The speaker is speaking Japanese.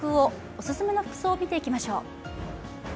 オススメの服装を見ていきましょう。